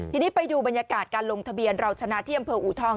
ทีนี้ไปดูบรรยากาศการลงทะเบียนเราชนะที่อำเภออูทอง